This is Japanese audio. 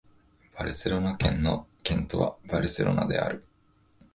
バルセロナ県の県都はバルセロナである